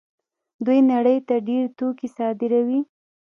دوی نړۍ ته ډېر توکي صادروي.